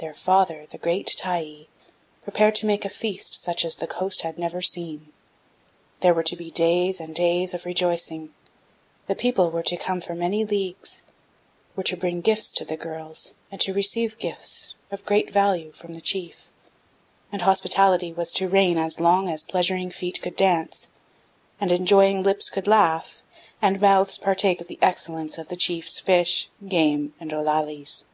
Their father, the great Tyee, prepared to make a feast such as the Coast had never seen. There were to be days and days of rejoicing, the people were to come for many leagues, were to bring gifts to the girls and to receive gifts of great value from the chief, and hospitality was to reign as long as pleasuring feet could dance, and enjoying lips could laugh, and mouths partake of the excellence of the chief's fish, game, and ollallies.